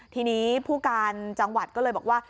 ทีนี้ผู้การจังหวัดก็เลยบอกว่า